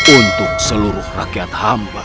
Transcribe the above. untuk seluruh rakyat hamba